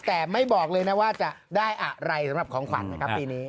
แต่ไม่บอกเลยนะว่าจะได้อะไรสำหรับของขวัญนะครับปีนี้